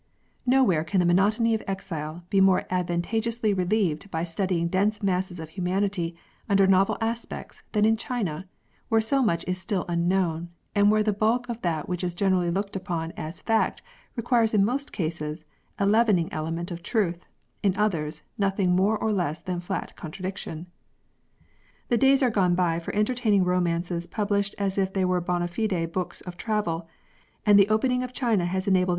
Nowhere can tlie monotony of exile be more ad vantageously relieved by studying dense masses of humanity under novel aspects than in China, where so much is still unknown, and where the bulk of that which is generally looked upon as fact requires in most cases a leavening element of truth, in others nothing more nor less than flat contradiction. The days are gone by for entertaining romances published as if they were hond fide books of travel, and the opening of China has enabled